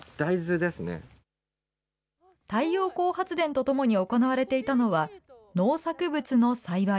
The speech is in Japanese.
太陽光発電とともに行われていたのは、農作物の栽培。